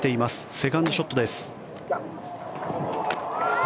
セカンドショットです。